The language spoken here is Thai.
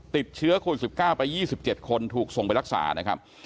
ติดเชื้อโควิด๑๙ไป๒๗คนถูกส่งไปรักษานะครับ